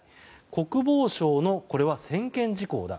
国防省の専権事項だ。